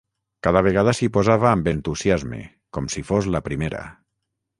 Cada vegada s'hi posava amb entusiasme, com si fos la primera.